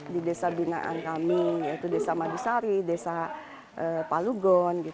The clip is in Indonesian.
di desa binaan kami desa magisari desa palugon